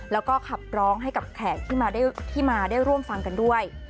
แล้วก็ขับร้องให้กับแขกที่มาได้ร่วมฟังกันด้วย